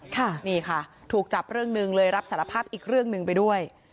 ค่ะนี่ค่ะถูกจับเรื่องหนึ่งเลยรับสารภาพอีกเรื่องหนึ่งไปด้วย